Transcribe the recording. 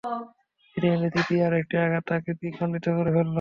ইতিমধ্যে তৃতীয় আরেকটি আঘাত তাঁকে দ্বিখণ্ডিত করে ফেলল।